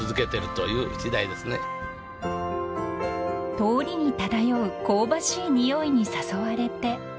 ［通りに漂う香ばしい匂いに誘われて］